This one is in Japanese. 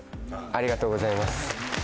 ありがとうございます。